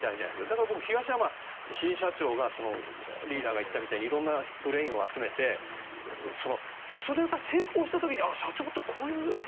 だから僕、東山新社長がリーダーが言ったみたいに色んなブレーンを集めてそれが成功した時にあっ、社長ってこういう。